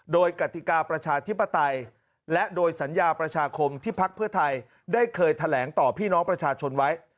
โดยกติกาประชาธิปไตยและโดยสัญญาประชาคมที่พักเพื่อไทยได้เคยแถลงต่อพี่น้องประชาชนไว้